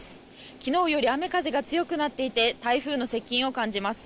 昨日より雨風が強くなっていて台風の接近を感じます。